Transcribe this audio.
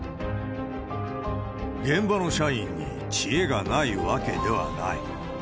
現場の社員に知恵がないわけではない。